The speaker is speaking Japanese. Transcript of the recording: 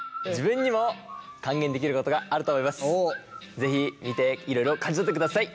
是非見ていろいろ感じ取ってください。